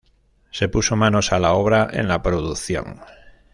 Se puso manos a la obra en la producción.